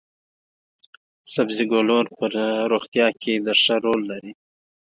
سبزي ګولور په روغتیا کې د ښه رول لري.